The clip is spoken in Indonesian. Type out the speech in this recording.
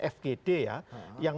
fgd ya yang